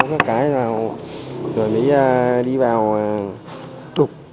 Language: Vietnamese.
các cái rồi mới đi vào đục